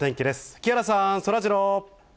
木原さん、そらジロー。